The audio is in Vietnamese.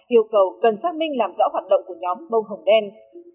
yêu cầu cần xác minh làm rõ hoạt động của nhóm bông hồng đen